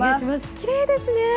きれいですね！